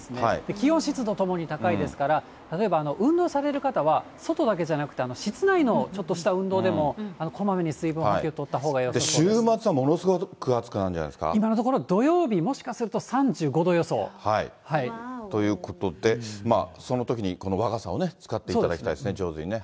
気温、湿度ともに高いですから、例えば運動される方は外だけじゃなくて、室内のちょっとした運動でもこまめに水分補給とったほうがよさそ週末はものすごく暑くなるん今のところ、土曜日、もしかということで、そのときに、この和傘を使っていただきたいですね、上手にね。